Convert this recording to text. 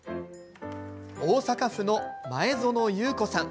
大阪府の前園優子さん。